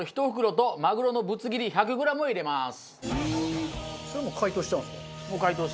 でマグロのぶつ切り１００グラムを入れます。